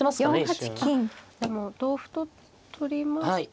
でも同歩と取りまして。